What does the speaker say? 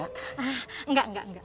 ah enggak enggak